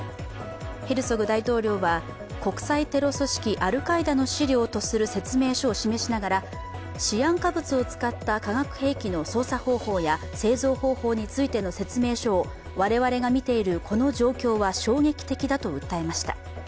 ヘルツォグ大統領は、国際組織アルカイダの資料とする説明書を示しながらシアン化物を使った化学兵器の操作方法や製造方法についての説明書を我々がみているこの状況は衝撃的だと訴えました。